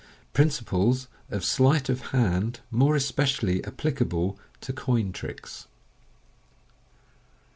Principles of Sleight of hand more especially applicable to Coin Tricks.